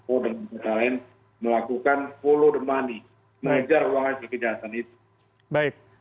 untuk mengejar ruang hasil kejahatan itu